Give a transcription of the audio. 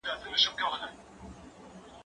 سفر د خلکو له خوا کيږي؟